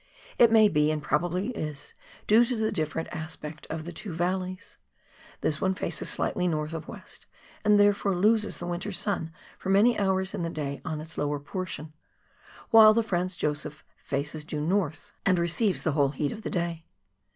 It may be, and probably is, due to the different aspect of the two valleys. This one faces slightly north of west, and therefore loses the winter sun for many hours in the day on its lower portion, while the Franz Josef faces due north and 124 PIONEER WORK IN THE ALPS OF NEW ZEALAND. receives the whole heat of the day.